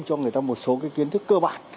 cho người ta một số kiến thức cơ bản